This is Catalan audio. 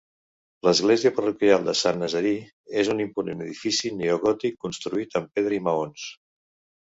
L'església parroquial de Sant Nazari és un imponent edifici neogòtic construït en pedra i maons.